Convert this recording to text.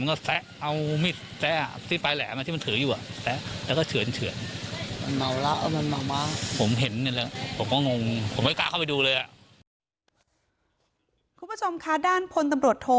มันก็ทำหน้าตาเรื่อยมันก็เฉือนอยู่นั่นไง